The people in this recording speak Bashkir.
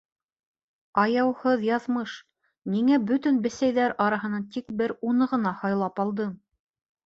Аяуһыҙ яҙмыш, ниңә бөтөн бесәйҙәр араһынан тик бер уны ғына һайлап алдың?